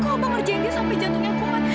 kok abang ngerjain dia sampai jantungnya kuat